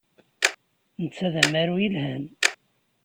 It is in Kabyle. Netta d amaru yelhan.